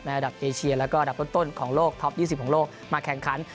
ระดับเอเชียแล้วก็อันดับต้นของโลกท็อป๒๐ของโลกมาแข่งขัน